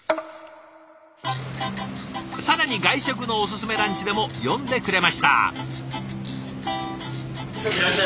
更に外食のおすすめランチでも詠んでくれました。